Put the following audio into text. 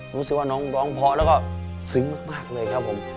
รู้สึกว่าน้องร้องเพราะแล้วก็ซึ้งมากเลยครับผม